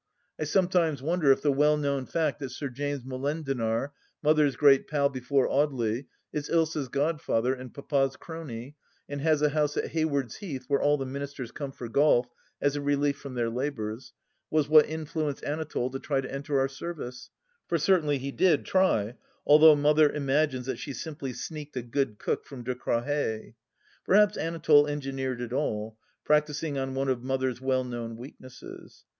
I sometimes wonder if the well known fact that Sir James Molendinar (Mother's great pal before Audely) is Usa's god father and Papa's crony, and has a house at Hayward's Heath where all the Ministers come for golf as a relief from their labours, was what influenced Anatole to try to enter our service, for certainly he did try, although Mother imagines that she simply sneaked a good cook from De Crawhez. Perhaps Anatole engineered it all, practising on one of Mother's well known weaknesses.